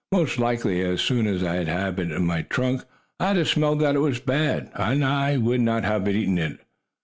Most likely, as soon as I'd have taken it in my trunk, I'd have smelled that it was bad, and I would not have eaten it.